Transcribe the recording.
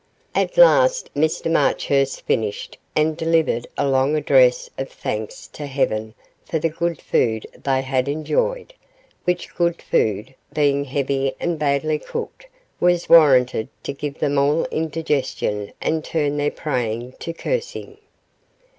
At last Mr Marchurst finished and delivered a long address of thanks to Heaven for the good food they had enjoyed, which good food, being heavy and badly cooked, was warranted to give them all indigestion and turn their praying to cursing.